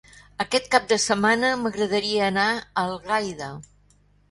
Aquest cap de setmana m'agradaria anar a Algaida.